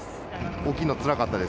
起きるのつらかったです。